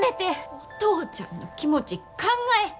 お父ちゃんの気持ち考え。